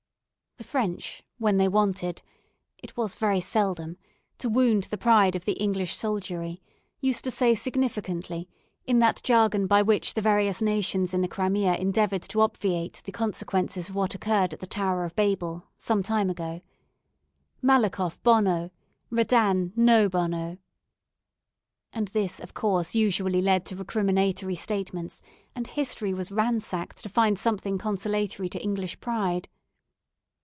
The French, when they wanted it was very seldom to wound the pride of the English soldiery, used to say significantly, in that jargon by which the various nations in the Crimea endeavoured to obviate the consequences of what occurred at the Tower of Babel, some time ago, "Malakhoff bono Redan no bono." And this, of course, usually led to recriminatory statements, and history was ransacked to find something consolatory to English pride.